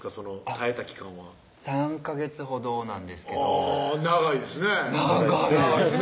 耐えた期間は３ヵ月ほどなんですけど長いですね長い！